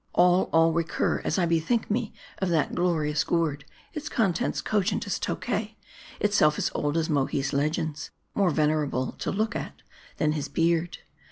all, all recur, as I bethink me of that glorious gourd, its contents cogent as Tokay, itself as old as Mohi's legends ; more venerable to look at than his beard.